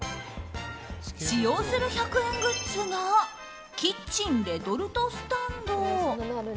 使用する１００円グッズがキッチンレトルトスタンド。